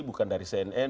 bukan dari cnn